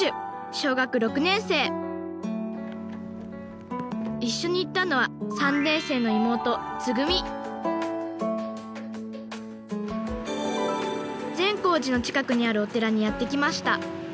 小学６年生一緒に行ったのは３年生の妹つぐみ善光寺の近くにあるお寺にやって来ました。